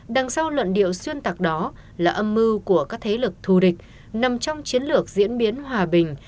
đằng sau luận điệu xuyên tạc đó là âm mưu của các thế lực thù địch nằm trong chiến lược diễn biến hòa bình